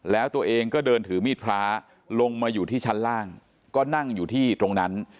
แล้วตัวเองก็เดินถือมีดพระลงมาอยู่ที่ชั้นล่างก็นั่งอยู่ที่ตรงนั้น